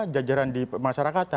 jajaran di masyarakat